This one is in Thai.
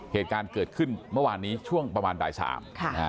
เหตุการณ์เกิดขึ้นเมื่อวานนี้ช่วงประมาณดาย๓ครับ